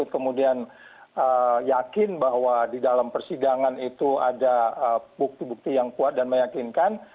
kemudian yakin bahwa di dalam persidangan itu ada bukti bukti yang kuat dan meyakinkan